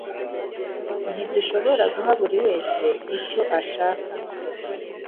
Ntidushobora guha buri wese icyo ashaka.